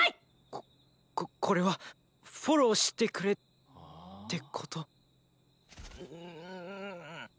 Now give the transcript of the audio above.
こここれはフォローしてくれってこと？